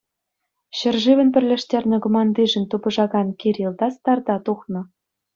Ҫӗршывӑн пӗрлештернӗ командишӗн тупӑшакан Кирилл та старта тухнӑ.